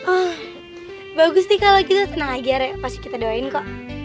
ah bagus nih kalau gitu tenang aja re pasti kita doain kok